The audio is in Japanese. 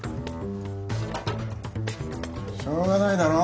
しょうがないだろ